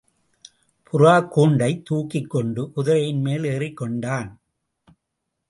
புறாக்கூண்டைத் தூக்கிக்கொண்டு குதிரையின்மேல் ஏறிக் கொண்டான்.